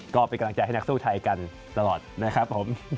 ก็เป็นกำลังใจให้นักสู้ไทยกันตลอดนะครับผม